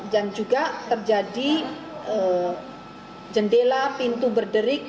dan juga terjadi jendela pintu berderik